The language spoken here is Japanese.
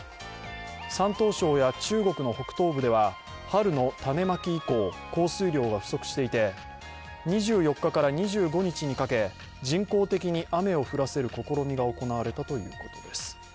山東省や中国の北東部では春の種まき以降、降水量が不足していて２４日から２５日にかけ、人工的に雨を降らせる試みが行われたということです。